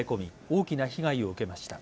大きな被害を受けました。